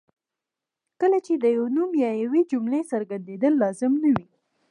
کله چې د یو نوم یا یوې جملې څرګندېدل لازم نه وي.